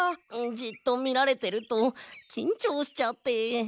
じっとみられてるときんちょうしちゃって。